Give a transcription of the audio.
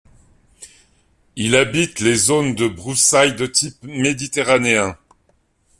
Il habite les zones de broussailles de type méditerranéen.